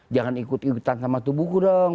jangan ikut ikutan sama itu buku dong